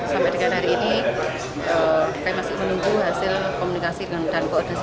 sampai dengan hari ini kami masih menunggu hasil komunikasi dan koordinasi